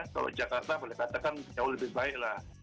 kalau jakarta boleh katakan jauh lebih baik lah